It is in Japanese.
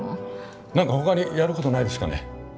何か他にやることないですかね？